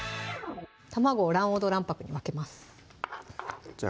卵を卵黄と卵白に分けますじゃ